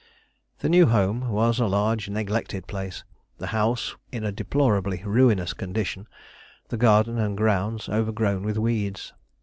The new home was a large neglected place, the house in a deplorably ruinous condition, the garden and grounds overgrown with weeds.